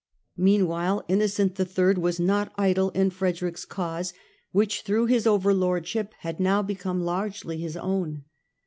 Meanwhile Innocent was not idle in Frederick's cause, which, through his overlordship, had now become largely his own.